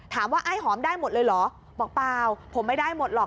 ไอ้หอมได้หมดเลยเหรอบอกเปล่าผมไม่ได้หมดหรอก